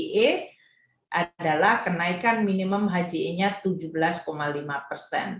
h adalah kenaikan minimum hje nya tujuh belas lima persen